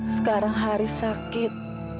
sekarang haris sakit